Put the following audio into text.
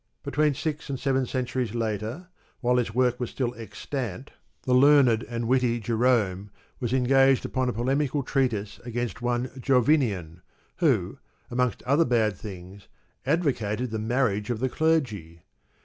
Between six and seven centuries later, while this work was still extant, the learned and witty Jerome was engaged upon a polemical treatise against one Jovinian, who, amongst other bad things, advocated the marriage of the clergy